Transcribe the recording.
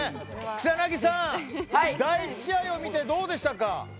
草なぎさん第１試合を見てどうでしたか。